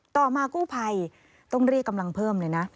ต่อมากู้ภัยต้องเรียกกำลังเพิ่มเลยนะ